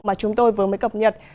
mà chúng tôi vừa mới cập nhật